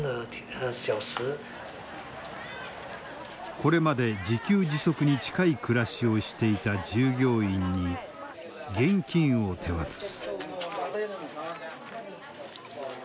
これまで自給自足に近い暮らしをしていた従業員に現金を手渡す。